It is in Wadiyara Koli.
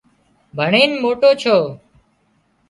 ڀڻينَ موٽو ڇو